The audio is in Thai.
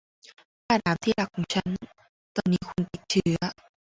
มาดามที่รักของฉัน ตอนนี้คุณติดเชื้อ